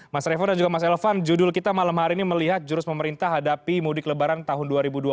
mas revo dan juga mas elvan judul kita malam hari ini melihat jurus pemerintah hadapi mudik lebaran tahun dua ribu dua puluh